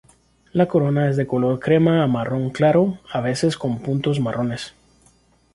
La corona es de color crema a marrón claro, a veces con puntos marrones.